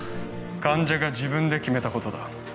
患者が自分で決めたことだ